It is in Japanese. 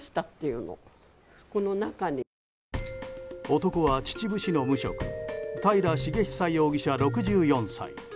男は、秩父市の無職平重壽容疑者、６４歳。